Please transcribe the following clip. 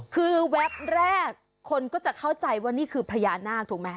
คือแวบแรกคนก็จะเข้าใจว่านี่คือพญานาคถูกไหม